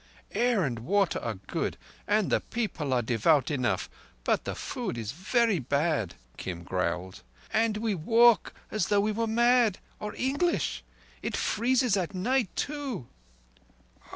"Air and water are good, and the people are devout enough, but the food is very bad," Kim growled; "and we walk as though we were mad—or English. It freezes at night, too."